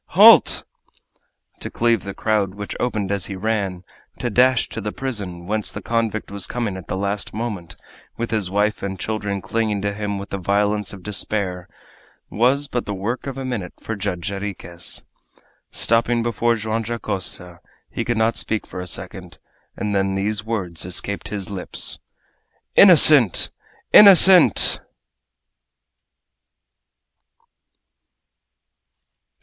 Halt!" To cleave the crowd, which opened as he ran, to dash to the prison, whence the convict was coming at the last moment, with his wife and children clinging to him with the violence of despair, was but the work of a minute for Judge Jarriquez. Stopping before Joam Dacosta, he could not speak for a second, and then these words escaped his lips: "Innocent! Innocent!"